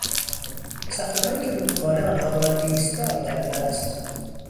صخرههایی که رودخانه آنها را دیسدار کرده است